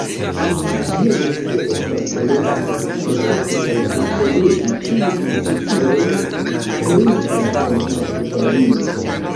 Ĝia misio estas kolekti, protekti kaj disponigi ĉiujn sciojn kreitaj en Portugalio.